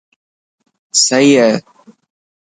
سهي هي،